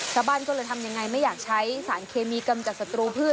ชาวบ้านก็เลยทำยังไงไม่อยากใช้สารเคมีกำจัดศัตรูพืช